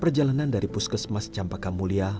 perjalanan dari puskesmas campakamulia